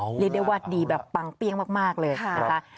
คือว่าดีแบบปังเปรี้ยงมากเลยนะคะ